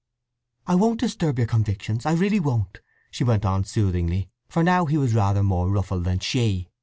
"I won't disturb your convictions—I really won't!" she went on soothingly, for now he was rather more ruffled than she.